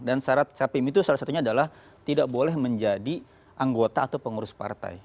dan syarat capim itu salah satunya adalah tidak boleh menjadi anggota atau pengurus partai